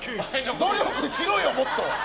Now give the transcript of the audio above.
努力しろよ、もっと！